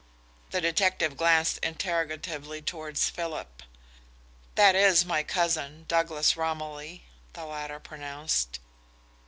The detective glanced interrogatively towards Philip. "That is my cousin, Douglas Romilly," the latter pronounced.